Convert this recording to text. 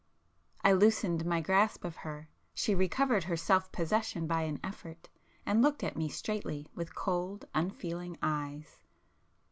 I loosened my grasp of her,—she recovered her self possession [p 371] by an effort, and looked at me straightly with cold unfeeling eyes.